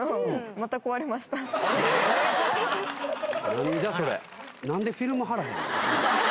何じゃそれ。